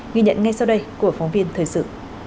ghi nhận ngay sau đây của phóng viên thời sự